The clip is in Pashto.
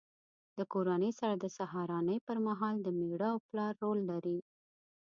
له کورنۍ سره د سهارنۍ پر مهال د مېړه او پلار رول لري.